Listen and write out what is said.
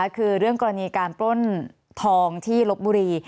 คือเรื่องกรณีการปล้นทองที่ลบบุรี